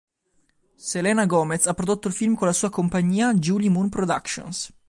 Selena Gomez ha prodotto il film con la sua compagnia July Moon Productions.